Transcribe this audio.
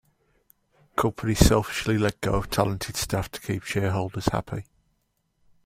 Companies selfishly let go of talented staff to keep shareholders happy.